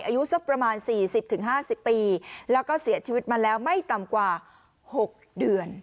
อายุสักประมาณสี่สิบถึงห้าสิบปีแล้วก็เสียชีวิตมาแล้วไม่ต่ำกว่าหกเดือน